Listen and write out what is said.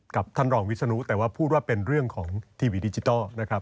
กับท่านรองวิศนุแต่ว่าพูดว่าเป็นเรื่องของทีวีดิจิทัลนะครับ